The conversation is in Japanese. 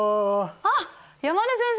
あっ山根先生！